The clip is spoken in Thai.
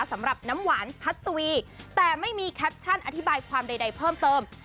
สำหรับน้ำหวานพัศวีแต่ไม่มีแคปชั่นอธิบายความใดเพิ่มเติม